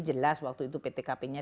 jelas waktu itu ptkp nya